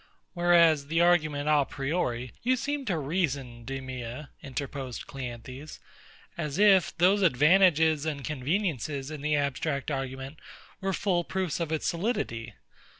Whereas the argument a priori ... You seem to reason, DEMEA, interposed CLEANTHES, as if those advantages and conveniences in the abstract argument were full proofs of its solidity.